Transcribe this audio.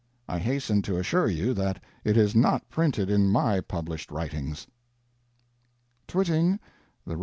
I hasten to assure you that it is not printed in my published writings." TWITTING THE REV.